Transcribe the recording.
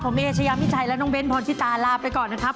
ผมเอเชยามิชัยและน้องเบ้นพรชิตาลาไปก่อนนะครับ